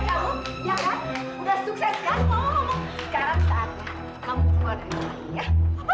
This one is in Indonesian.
sudah sukses kan kamu